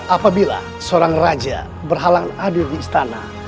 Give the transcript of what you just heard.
apabila seorang raja berhalang adil di istana